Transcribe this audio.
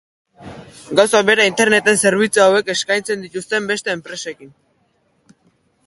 Gauza bera Interneten zerbitzu hauek eskaintzen dituzten beste enpresekin.